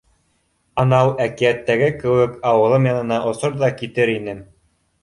? Анау әкиәттәге кеүек, ауылым янына осор ҙа китер инем.